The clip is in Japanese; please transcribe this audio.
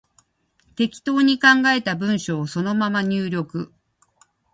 適当に考えた文章をそのまま入力